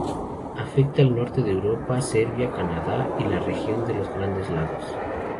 Afecta al norte de Europa, Siberia, Canadá y la región de los Grandes Lagos.